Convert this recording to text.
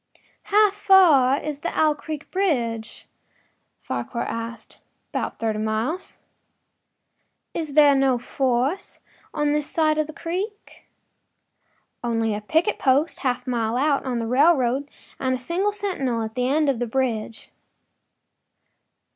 ” “How far is it to the Owl Creek bridge?” Farquhar asked. “About thirty miles.” “Is there no force on this side of the creek?” “Only a picket post half a mile out, on the railroad, and a single sentinel at this end of the bridge.